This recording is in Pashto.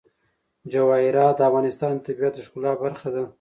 جواهرات د افغانستان د طبیعت د ښکلا برخه ده.